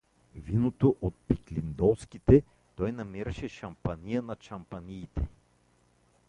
Виното от пиклиндолските той намираше шампания над шампаниите.